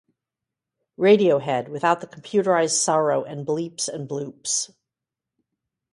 Radiohead without the computerized sorrow and bleeps and bloops.